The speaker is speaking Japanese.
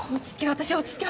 私落ち着け